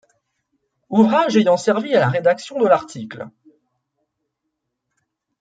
Ouvrages ayant servi à la rédaction de l'article.